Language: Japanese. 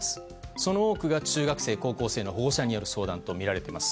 その多くが中学生、高校生の保護者による相談とみられています。